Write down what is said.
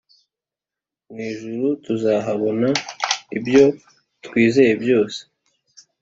Mw' ijuru tuzahabona ibyo twizeye byose.